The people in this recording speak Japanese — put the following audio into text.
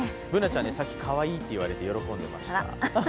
Ｂｏｏｎａちゃん、さっきかわいいって言われて喜んでいました。